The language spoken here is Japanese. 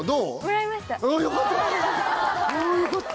よかった！